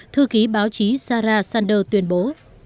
thư ký báo chí sarah sander tuyên bố